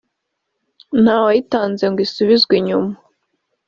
nta wayitanze ngo isubizwe inyuma